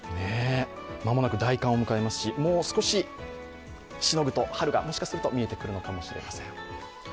間もなく大寒を迎えますし、もう少ししのぐと、春が、もしかすると見えてくるのかもしれません。